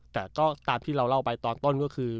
แต่ก็ตามที่เราเล่าไปตอนต้นก็คือ